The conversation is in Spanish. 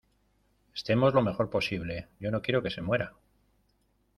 estemos lo mejor posible. yo no quiero que se muera